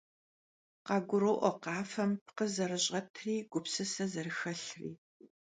Khaguro'ue khafem pkhı zerış'etri, gupsıse zerıxelhri.